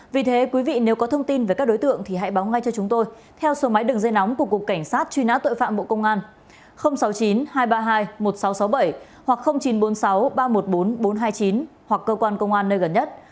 vì thế quý vị nếu có thông tin về các đối tượng thì hãy báo ngay cho chúng tôi theo số máy đường dây nóng của cục cảnh sát truy nã tội phạm bộ công an sáu mươi chín hai trăm ba mươi hai một nghìn sáu trăm sáu mươi bảy hoặc chín trăm bốn mươi sáu ba trăm một mươi bốn bốn trăm hai mươi chín hoặc cơ quan công an nơi gần nhất